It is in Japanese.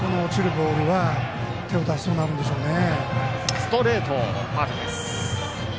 ボールは手を出しそうになるんでしょうね。